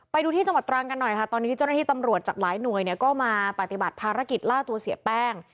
ไปดูที่จังหวัดตรังกันหน่อยค่ะตอนนี้เจ้าหน้าที่ตำรวจจากหลายหน่วยเนี่ยก็มาปฏิบัติภารกิจล่าตัวเสียแป้ง